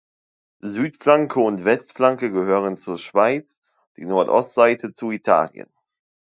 Südflanke und Westflanke gehören zur Schweiz, die Nordostseite zu Italien.